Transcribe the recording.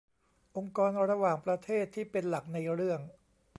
องค์กรระหว่างประเทศที่เป็นหลักในเรื่อง